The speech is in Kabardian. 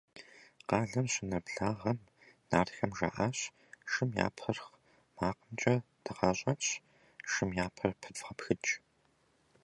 Къалэм щынэблагъэм, нартхэм жаӏащ: – Шым я пырхъ макъымкӏэ дыкъащӏэнщ, шым я пэр пыдвгъэпхыкӏ.